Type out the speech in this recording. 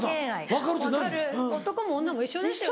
分かる男も女も一緒ですよ。